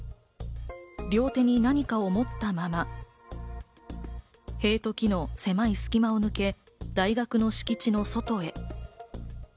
両手に何かを持ったまま塀と木の隙間を抜け、大学の敷地の外へ。